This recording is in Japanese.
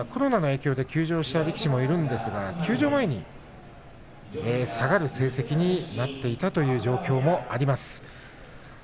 下がる力士の中にはコロナの影響で休場した力士もいるんですが休場前に下がる成績になっていたという状況もあります。